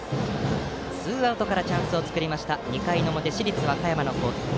ツーアウトからチャンスを作りました、２回の表市立和歌山の攻撃。